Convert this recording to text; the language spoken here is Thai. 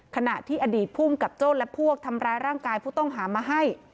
ขณะที่อดีตภูมิกับโจ้และพวกทำร้ายร่างกายผู้ต้องหามาให้